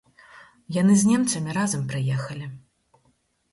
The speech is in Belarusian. Яны з немцамі разам прыехалі.